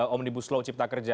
omnibus law cipta kerja